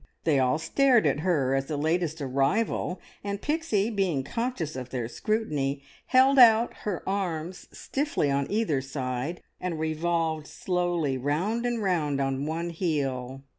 They all stared at her as the latest arrival, and Pixie, being conscious of their scrutiny, held out her arms stiffly on either side, and revolved slowly round and round on one heel.